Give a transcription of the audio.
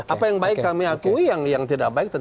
apa yang baik kami akui yang tidak baik